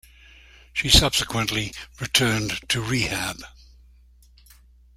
She subsequently returned to rehab.